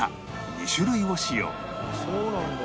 そうなんだ！